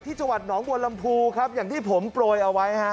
จังหวัดหนองบัวลำพูครับอย่างที่ผมโปรยเอาไว้ฮะ